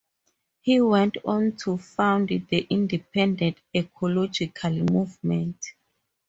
He went on to found the Independent Ecological Movement.